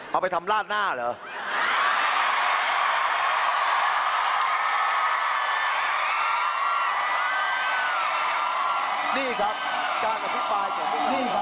เอาไปทำลาดหน้าเหรอ